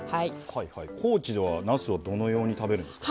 高知ではなすはどのように食べるんですか？